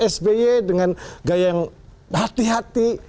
sby dengan gaya yang hati hati